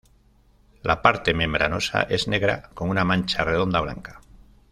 La parte membranosa es negra con una mancha redonda blanca.